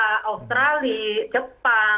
karena di triwunnya